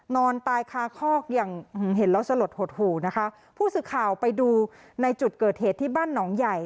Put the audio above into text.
นอนตายคาคอกอย่างเห็นแล้วสลดหดหูนะคะผู้สื่อข่าวไปดูในจุดเกิดเหตุที่บ้านหนองใหญ่